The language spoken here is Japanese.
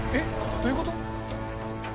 どういうこと？